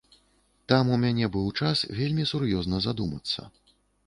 Там у мяне быў час вельмі сур'ёзна задумацца.